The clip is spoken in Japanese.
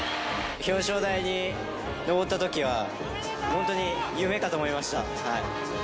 表彰台に上ったときは、本当に夢かと思いました。